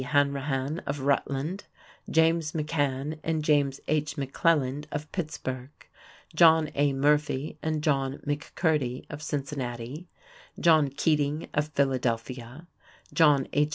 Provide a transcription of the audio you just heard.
Hanrahan of Rutland; James McCann and James H. McClelland of Pittsburgh; John A. Murphy and John McCurdy of Cincinnati; John Keating of Philadelphia; John H.